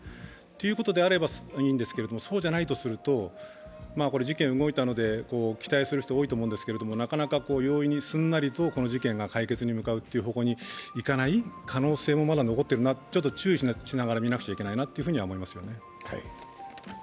ということならいいんですがそうじゃないとすると、事件が動いたので期待する人は多いと思うんですけども、なかなか容易にすんなりと、この事件が解決の方向に進まない可能性もまだ残ってるな、まだ注意しながら見なくちゃいけないなとは思いますね。